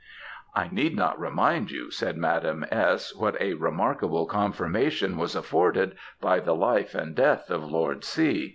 "I need not remind you," said Madam S., "what a remarkable confirmation was afforded by the life and death of Lord C."